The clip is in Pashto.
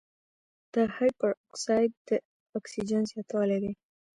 د هایپراکسیا د اکسیجن زیاتوالی دی.